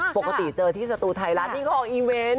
ปกติเจอที่สตูทายแล้วที่เขาออกอีเวนต์